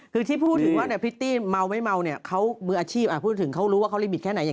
คือที่พูดถึงว่าพริตตี้เมาไม่เมาเนี่ยเขามืออาชีพพูดถึงเขารู้ว่าเขาลิบิตแค่ไหนอย่าง